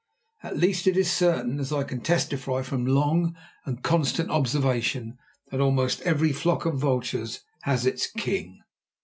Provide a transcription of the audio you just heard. At least it is certain, as I can testify from long and constant observation, that almost every flock of vultures has its king.